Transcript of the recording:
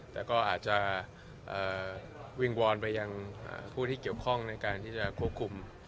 แต่ก็อาจจะวิ่งวอนไปยังผู้ที่เกี่ยวข้องในการที่จะควบคุม